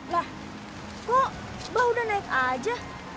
lah kok bah udah naik aja